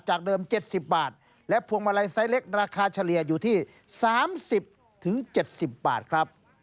จากเดิมเจ็ดสิบบาทและพวงมาลัยไซส์เล็กราคาเฉลี่ยอยู่ที่สามสิบถึงเจ็ดสิบบาทครับ